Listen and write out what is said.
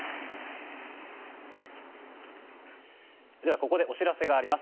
ここでお知らせがあります。